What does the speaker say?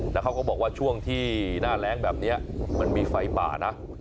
แล้วเขาก็บอกว่าช่วงที่หน้าแรงแบบนี้มันมีไฟป่านะ